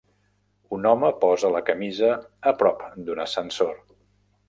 Un home posa la camisa a prop d'un ascensor.